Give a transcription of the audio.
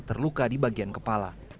terluka di bagian kepala